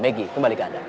megi kembali ke anda